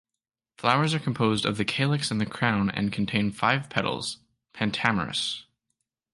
Flowers are composed from the calyx and the crown and contain five petals (pentamerous).